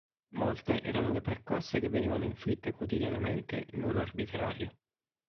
Molte erano le percosse che venivano inflitte quotidianamente in modo arbitrario.